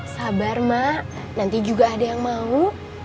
sabar mak nanti juga ada yang mau